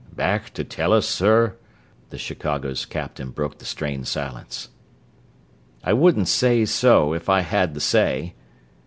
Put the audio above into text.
"Back to Tellus, sir?" The Chicago's captain broke the strained silence. "I wouldn't say so, if I had the say."